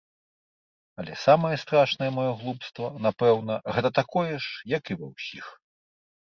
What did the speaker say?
Але самае страшнае маё глупства, напэўна, гэта такое ж, як і ва ўсіх.